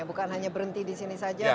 bukan hanya berhenti disini saja